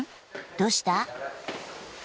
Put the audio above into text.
どうした？